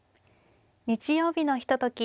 日曜日のひととき